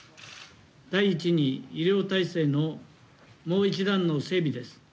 第１に、医療体制のもう一段の整備です。